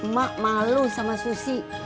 mak malu sama susi